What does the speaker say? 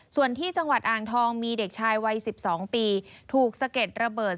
ส่วนที่จังหวัดอ่างทองมีเด็กชายวัย๑๒ปีถูกสะเก็ดระเบิด